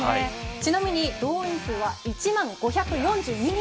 ちなみに動員数は１万５４２人。